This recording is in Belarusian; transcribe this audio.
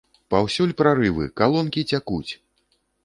Паўсюль прарывы, калонкі цякуць!